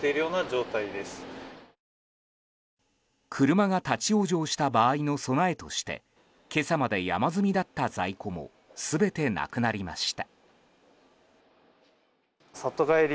車が立ち往生した場合の備えとして今朝まで山積みだった在庫も全てなくなりました。